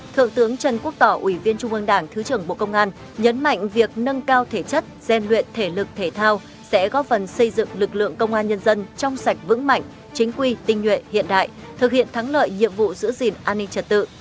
thượng tướng trần quốc tỏ ủy viên trung ương đảng thứ trưởng bộ công an nhấn mạnh việc nâng cao thể chất gian luyện thể lực thể thao sẽ góp phần xây dựng lực lượng công an nhân dân trong sạch vững mạnh chính quy tinh nhuệ hiện đại thực hiện thắng lợi nhiệm vụ giữ gìn an ninh trật tự